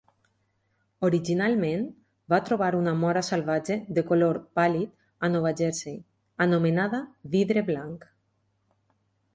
Originalment, va trobar una mora salvatge de color pàl·lid a Nova Jersey, anomenada "Vidre blanc".